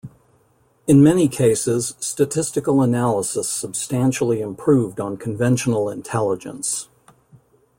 In many cases statistical analysis substantially improved on conventional intelligence.